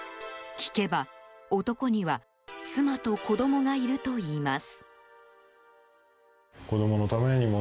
聞けば、男には妻と子供がいるといいます。